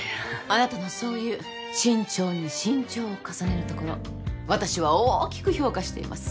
あなたのそういう慎重に慎重を重ねるところ私は大きく評価しています。